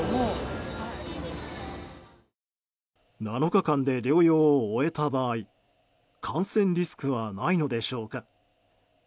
７日間で療養を終えた場合感染リスクはないのでしょうか。